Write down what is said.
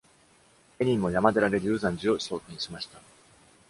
エニンもヤマデラで龍山寺を創建しました。